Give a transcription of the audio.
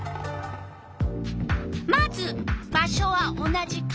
まず場所は同じ川原。